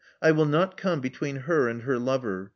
I will not come between her and her lover.